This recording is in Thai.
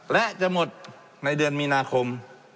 และจะหมดในเดือนมีนาคม